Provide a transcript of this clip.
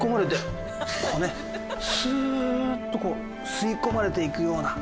スッとこう吸い込まれていくような。